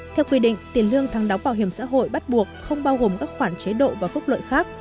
theo quy định tiền lương thăng đóng bảo hiểm xã hội bắt buộc không bao gồm các khoản chế độ và phúc lợi khác